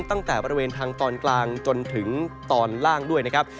ตั้งแต่บริเวณทางตอนกลางจนถึงตอนล่างด้วยนะครับ